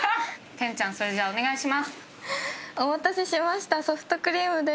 天ちゃんそれじゃあお願いします。